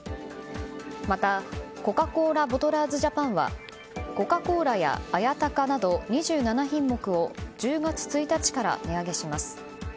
また、コカ・コーラボトラーズジャパンはコカ・コーラや綾鷹など２７品目を１０月１日から値上げします。